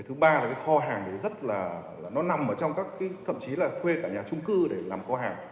thứ ba là kho hàng nó nằm trong các thậm chí là thuê cả nhà trung cư để làm kho hàng